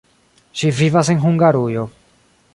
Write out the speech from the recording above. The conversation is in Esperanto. Ŝi vivas en Hungarujo.